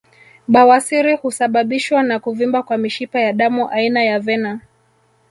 Bawasiri husababishwa na kuvimba kwa mishipa ya damu aina ya vena